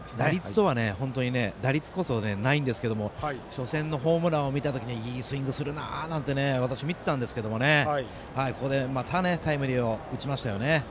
打率こそないんですけど初戦のホームランを見たときにいいスイングするなと私、見てたんですけどここでタイムリーを打ちましたね。